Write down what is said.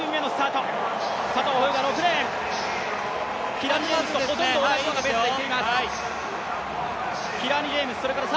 キラニ・ジェームズとほとんど同じようなペースでいっています。